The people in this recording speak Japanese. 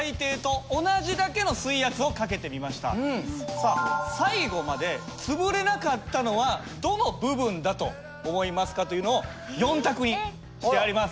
さあ最後までつぶれなかったのはどの部分だと思いますかというのを４択にしてあります。